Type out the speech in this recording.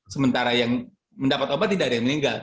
sementara yang mendapat obat tidak ada yang meninggal